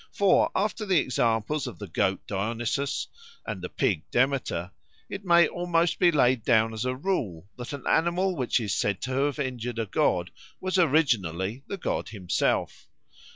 For after the examples of the goat Dionysus and the pig Demeter it may almost be laid down as a rule that an animal which is said to have injured a god was originally the god himself.